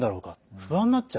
不安になっちゃう。